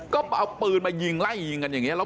ก็เอาปืนมายิงไล่ยิงกันอย่างนี้